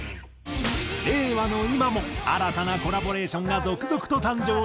令和の今も新たなコラボレーションが続々と誕生している。